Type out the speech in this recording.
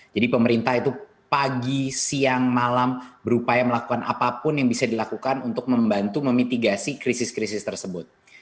jadi pemerintah itu pagi siang malam berupaya melakukan apapun yang bisa dilakukan untuk membantu memitigasi krisis krisis tersebut